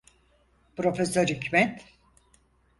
Profesör Hikmet…